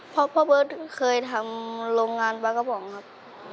เพราะพ่อเบิร์ตเคยทำโรงงานปลากระป๋องครับ